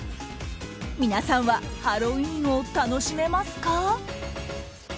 皆さんはハロウィーンを楽しめますか？